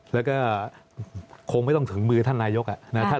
แล้วก็คงไม่ต้องถึงมือท่านนายกนะครับ